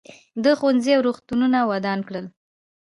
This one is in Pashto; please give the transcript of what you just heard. ده ښوونځي او روغتونونه ودان کړل.